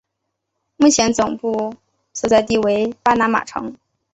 目前总部所在地为巴拿马城。